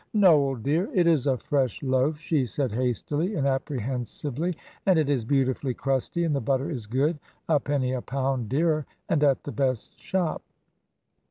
"Noel, dear, it is a fresh loaf," she said, hastily and apprehensively, "and it is beautifully crusty, and the butter is good a penny a pound dearer, and at the best shop."